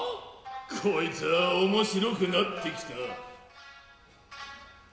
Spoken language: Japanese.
こいつァ面白くなって来た。